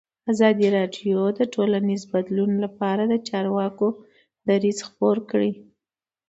ازادي راډیو د ټولنیز بدلون لپاره د چارواکو دریځ خپور کړی.